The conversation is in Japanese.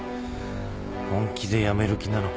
本気でやめる気なのか？